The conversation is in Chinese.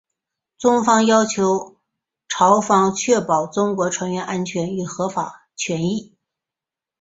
中方要求朝方确保中国船员安全与合法权益。